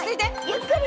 ゆっくり。